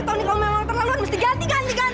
ketahu ini kalau memang terlaluan mesti ganti ganti